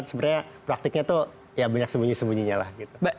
sebenarnya praktiknya tuh ya banyak sembunyi sembunyinya lah gitu